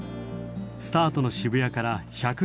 スタートの渋谷から１２０キロ。